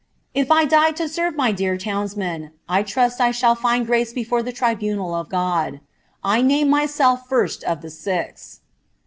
If I die lo rve ray dear townsmen, I irusi I shall find grace before the tribunal of God. i name myself Arst of the six.'